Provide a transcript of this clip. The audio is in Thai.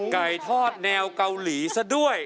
ไก่ทอดแนวเกาหลีซะด้วย